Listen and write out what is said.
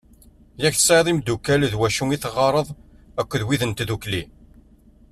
Yak tesɛiḍ imddukal d wacu i teɣɣareḍ akked wid n tddukli.